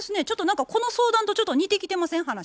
ちょっと何かこの相談とちょっと似てきてません？